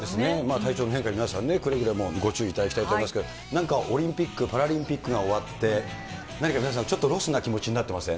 体調の変化に皆さんね、くれぐれもご注意いただきたいと思いますけれども、なんかオリンピック・パラリンピックが終わって、何か皆さん、ちょっとロスな気持ちになってません？